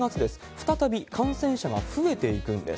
再び感染者が増えていくんです。